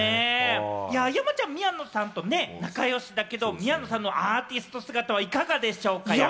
山ちゃん、宮野さんと仲良しだけど、宮野さんのアーティスト姿はいかがでしょうか？